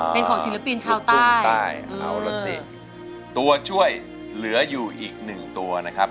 เป็นของศิลปินชาวใต้เอาล่ะสิตัวช่วยเหลืออยู่อีกหนึ่งตัวนะครับ